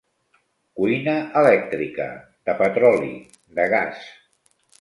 Cuina elèctrica, de petroli, de gas.